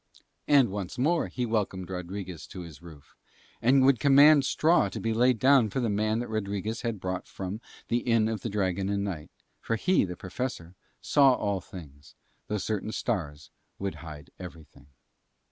And once more he welcomed Rodriguez to his roof, and would command straw to be laid down for the man that Rodriguez had brought from the Inn of the Dragon and Knight; for he, the Professor, saw all things, though certain stars would hide everything.